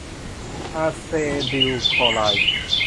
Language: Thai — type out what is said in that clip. อาเซติลคลอไรด์